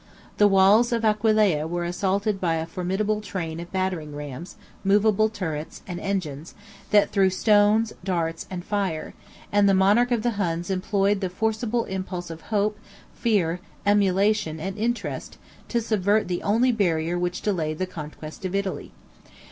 The walls of Aquileia were assaulted by a formidable train of battering rams, movable turrets, and engines, that threw stones, darts, and fire; 48 and the monarch of the Huns employed the forcible impulse of hope, fear, emulation, and interest, to subvert the only barrier which delayed the conquest of Italy.